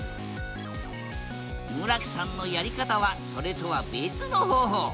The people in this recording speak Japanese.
村木さんのやり方はそれとは別の方法。